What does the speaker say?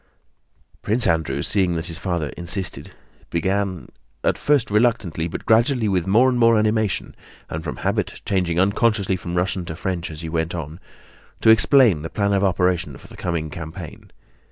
Prince Andrew, seeing that his father insisted, began—at first reluctantly, but gradually with more and more animation, and from habit changing unconsciously from Russian to French as he went on—to explain the plan of operation for the coming campaign.